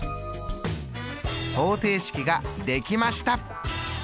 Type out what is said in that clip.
方程式が出来ました！